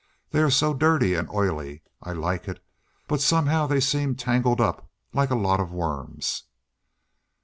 "They are so dirty and oily. I like it, but somehow they seem tangled up, like a lot of worms."